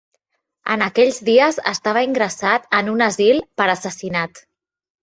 En aquells dies estava ingressat en un asil per assassinat.